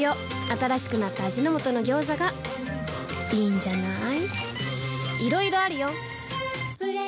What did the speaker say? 新しくなった味の素の「ギョーザ」がいいんじゃない？